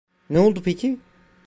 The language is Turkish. Ne oldu peki?